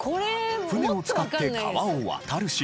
船を使って川を渡るシーン。